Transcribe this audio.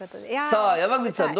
さあ山口さん